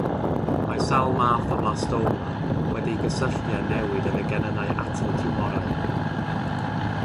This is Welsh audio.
Mae sawl math o flastoma wedi'i gysylltu a newid yn y genynnau atal tiwmorau.